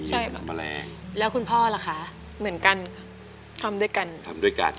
ใช่ค่ะแล้วคุณพ่อล่ะคะเหมือนกันทำด้วยกันทำด้วยกัน